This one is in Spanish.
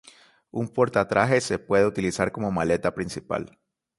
Un porta-trajes se puede utilizar como maleta principal.